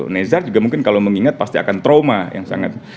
nezar juga mungkin kalau mengingat pasti akan trauma yang sangat